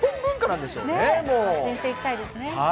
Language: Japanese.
発信していきたいですね。